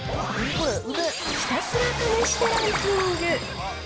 ひたすら試してランキング。